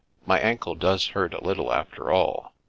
My ankle does hurt a little, after all.